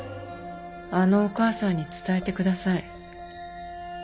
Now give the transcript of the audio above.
あのお母さんに伝えてください。